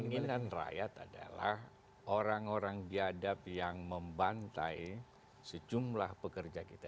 keinginan rakyat adalah orang orang biadab yang membantai sejumlah pekerja kita